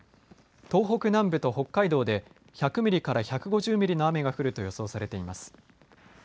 東北南部と北海道で１００ミリから１５０ミリの雨が降ると予想されています。